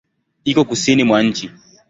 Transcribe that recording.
Iko kusini mwa nchi.